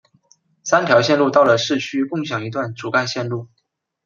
三条线路到了市区共享同一段主干线路。